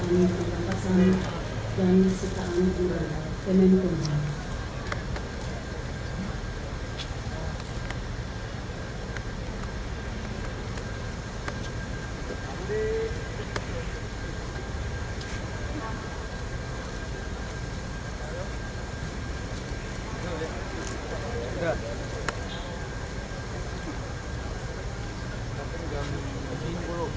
menggunakan beberapa reaksi uji